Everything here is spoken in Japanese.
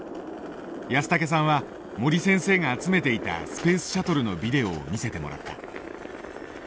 安竹さんは森先生が集めていたスペースシャトルのビデオを見せてもらった。